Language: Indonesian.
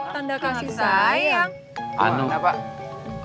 tanda kasih sayang